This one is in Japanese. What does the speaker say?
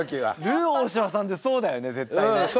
ルー大柴さんってそうだよね絶対ね。